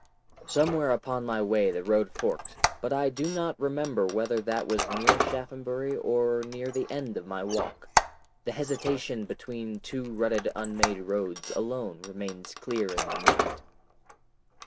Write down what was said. ... Somewhere upon my way the road forked, but I do not remember whether that was near Shaphambury or near the end of my walk. The hesitation between two rutted unmade roads alone remains clear in my mind.